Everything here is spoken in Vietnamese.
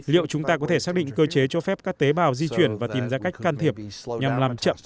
liệu chúng ta có thể xác định cơ chế cho phép các tế bào di chuyển và tìm ra cách can thiệp nhằm làm chậm